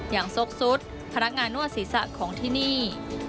อย่างสกสุดพนักงานนวดศีรษะของที่นี่